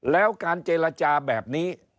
แล้วการเจรจาแบบนี้